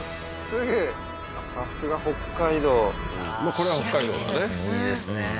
これは北海道だねいいですね